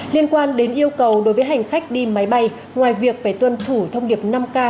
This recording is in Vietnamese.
liên quan đến yêu cầu đối với hành khách đi máy bay ngoài việc phải tuân thủ thông điệp năm k